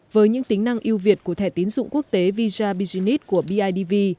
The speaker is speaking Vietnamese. với những tính năng yêu việt của thẻ tín dụng quốc tế visa business của bidv